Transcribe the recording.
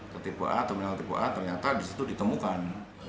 ke terminal tipe a ternyata di situ ditemukan